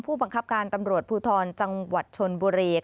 ผู้บังคับการตำรวจภูทรจังหวัดชนบุรี